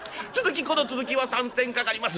「この続きは３銭かかります」。